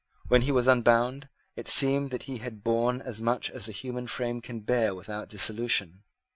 When he was unbound, it seemed that he had borne as much as the human frame can bear without dissolution.